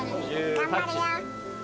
頑張るよ。